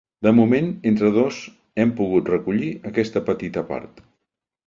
De moment entre dos hem pogut recollir aquesta petita part.